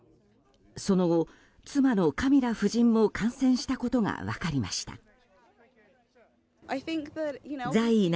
その後、妻のカミラ夫人も感染したことが分かりました。